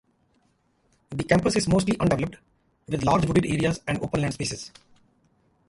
The campus is mostly undeveloped, with large wooded areas and open land spaces.